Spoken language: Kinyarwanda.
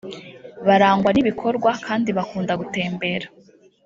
barangwa n’ibikorwa kandi bakunda gutembera